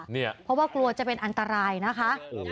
เพราะว่ากลัวจะเป็นอันตรายนะคะ